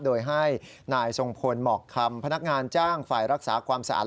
โดยให้นายทรงพลหมอกคำพนักงานจ้างฝ่ายรักษาความสะอาด